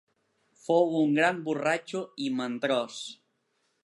Fou un gran borratxo i mandrós.